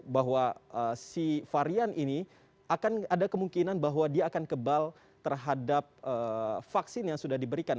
bahwa si varian ini akan ada kemungkinan bahwa dia akan kebal terhadap vaksin yang sudah diberikan